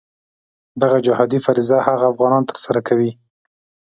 دغه جهادي فریضه هغه افغانان ترسره کوي.